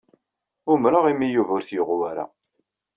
Umreɣ imi Yuba ur t-yuɣ wara.